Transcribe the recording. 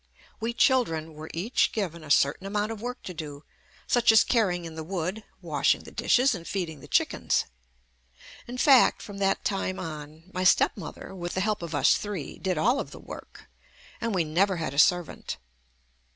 We children were each given a certain amount of work to do such as carrying in the wood, washing the dish es and feeding the chickens ; in fact, from that time on my stepmother, with the help of us three, did all of the work, and we never had a servant.